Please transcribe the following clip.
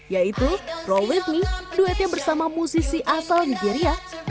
yaitu roll with me duet yang bersama musisi asal nigeria bantu